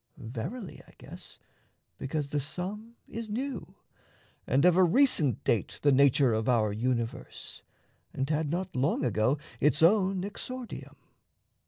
Verily, I guess, because The Sum is new, and of a recent date The nature of our universe, and had Not long ago its own exordium.